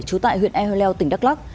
trú tại huyện e hoa leo tỉnh đắk lắc